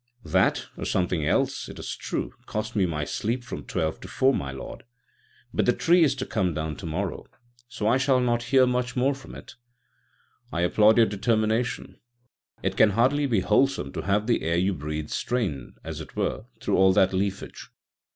"That, or something else, it is true, cost me my sleep from twelve to four, my lord. But the tree is to come down to morrow, so I shall not hear much more from it." "I applaud your determination. It can hardly be wholesome to have the air you breathe strained, as it were, through all that leafage."